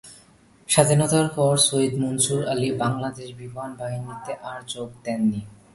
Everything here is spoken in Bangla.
স্বাধীনতার পর সৈয়দ মনসুর আলী বাংলাদেশ বিমানবাহিনীতে আর যোগ দেননি।